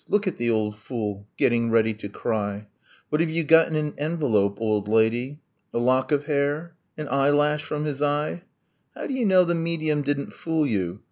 Look at the old fool! getting ready to cry! What have you got in an envelope, old lady? A lock of hair? An eyelash from his eye? How do you know the medium didn't fool you?